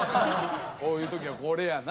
こういう時はこれやな。